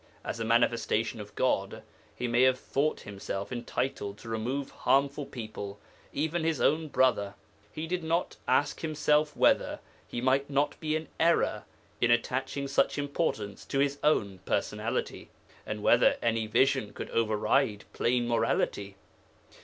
As a Manifestation of God he may have thought himself entitled to remove harmful people, even his own brother. He did not ask himself whether he might not be in error in attaching such importance to his own personality, and whether any vision could override plain morality.